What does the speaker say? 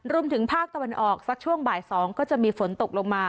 รวมถึงภาคตะวันออกสักช่วงบ่าย๒ก็จะมีฝนตกลงมา